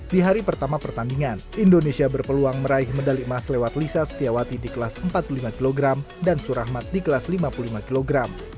di hari pertama pertandingan indonesia berpeluang meraih medali emas lewat lisa setiawati di kelas empat puluh lima kg dan surahmat di kelas lima puluh lima kg